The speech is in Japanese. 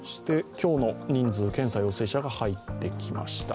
今日の人数、検査陽性者が入ってきました。